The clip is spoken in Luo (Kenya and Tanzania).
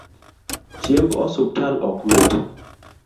Chiemb osiptal ok mit